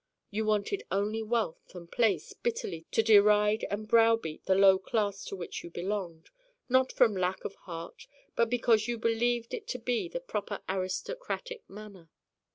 You wanted only wealth and place bitterly to deride and browbeat the low class to which you belonged not from lack of heart but because you believed it to be the proper aristocratic manner.